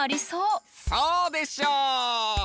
そうでしょう！